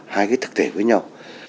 hai cái thực thể với nhau